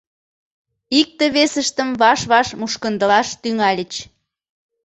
Икте весыштым ваш-ваш мушкындылаш тӱҥальыч.